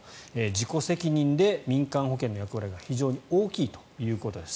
自己責任で民間保険の役割が非常に大きいということです。